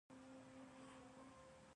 د علامه رشاد لیکنی هنر مهم دی ځکه چې ژمن دی.